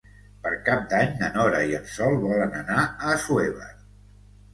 Per Cap d'Any na Nora i en Sol volen anar a Assuévar.